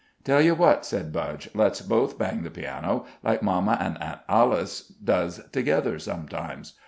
"Tell you what," said Budge, "let's both bang the piano, like mamma an' Aunt Alice does together sometimes."